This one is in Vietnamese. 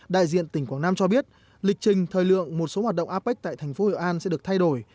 đại diện tỉnh quảng nam cho biết lịch trình thời lượng một số hoạt động apec tại thành phố hội an sẽ được thay đổi